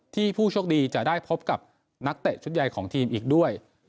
ผู้โชคดีจะได้พบกับนักเตะชุดใหญ่ของทีมอีกด้วย